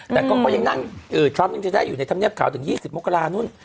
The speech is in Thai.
แต่ก็ยังนั่งทรัมป์ยังจะได้อยู่ในธรรมเนียบข่าวถึง๒๐มกรานู่น